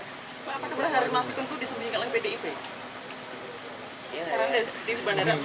apa kebenaran harun masiku itu disembunyikan oleh pdip